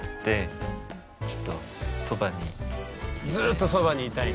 ずっとそばにいたい。